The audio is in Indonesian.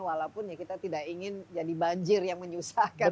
walaupun ya kita tidak ingin jadi banjir yang menyusahkan